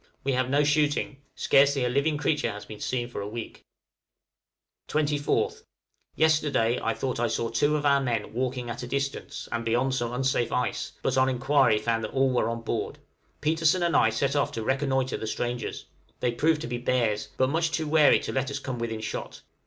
We have no shooting; scarcely a living creature has been seen for a week. {BEARS AMUSEMENTS.} 24th. Yesterday I thought I saw two of our men walking at a distance, and beyond some unsafe ice, but on enquiry found that all were on board: Petersen and I set off to reconnoitre the strangers; they proved to be bears, but much too wary to let us come within shot.